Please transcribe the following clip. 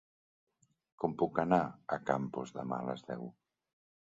Com puc anar a Campos demà a les deu?